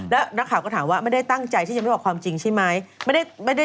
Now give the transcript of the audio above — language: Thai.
แล้วนักข่าวก็ถามว่าไม่ได้ตั้งใจที่จะไม่บอกความจริงใช่ไหม